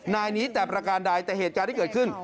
นายนี้แต่ประการใดแต่เหตุการณ์ที่เกิดขึ้น